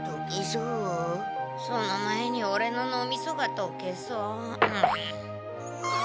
その前にオレの脳みそがとけそうグ。